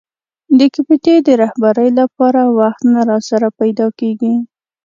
د کمېټې د رهبرۍ لپاره وخت نه راسره پیدا کېږي.